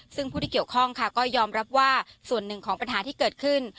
ซึ่งผู้ที่เกี่ยวข้องค่ะก็ยอมรับว่าส่วนหนึ่งของปัญหาที่เกิดขึ้น